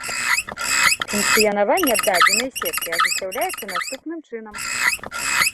Функцыянаванне дадзенай сеткі ажыццяўляецца наступным чынам.